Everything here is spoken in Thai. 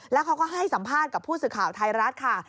แล้วเขาก็ให้สัมภาษณ์กับผู้สื่อข่าวไทยรัฐค่ะ